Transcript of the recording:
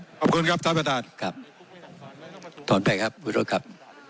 ขอบคุณครับท่านประธานครับถอนไปครับวิโรธครับ